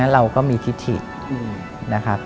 เราก็มีทิศถินะครับ